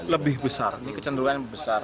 lebih besar ini kecenderungan besar